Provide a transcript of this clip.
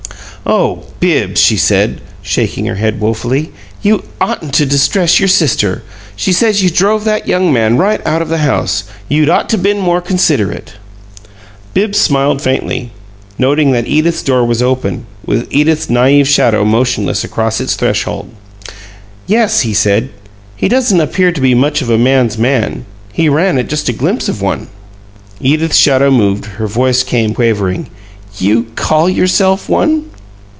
"Oh, Bibbs," she said, shaking her head woefully, "you'd oughtn't to distress your sister! She says you drove that young man right out of the house. You'd ought to been more considerate." Bibbs smiled faintly, noting that Edith's door was open, with Edith's naive shadow motionless across its threshold. "Yes," he said. "He doesn't appear to be much of a 'man's man.' He ran at just a glimpse of one." Edith's shadow moved; her voice came quavering: "You call yourself one?"